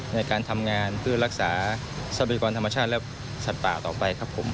ในการทำงานเพื่อรักษาทรัพยากรธรรมชาติและสัตว์ป่าต่อไปครับผม